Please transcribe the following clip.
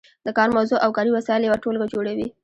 د کار موضوع او کاري وسایل یوه ټولګه جوړوي.